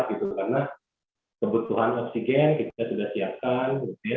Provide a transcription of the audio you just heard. karena kebutuhan oksigen kita sudah siapkan